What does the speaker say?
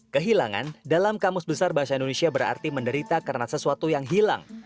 kehilangan dalam kamus besar bahasa indonesia berarti menderita karena sesuatu yang hilang